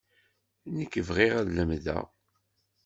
Nekk bɣiɣ ad lemdeɣ.